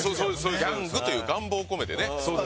ギャングという願望込めてね。